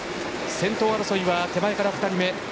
先頭争いは手前から２人目。